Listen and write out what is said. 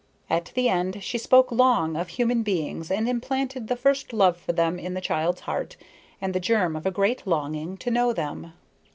At the end she spoke long of human beings, and implanted the first love for them in the child's heart and the germ of a great longing to know them.